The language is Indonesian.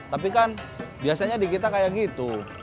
tapi kan biasanya di kita kayak gitu